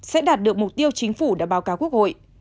sẽ đạt được mục tiêu chính phủ đã báo cáo quốc hội